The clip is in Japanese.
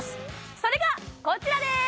それがこちらです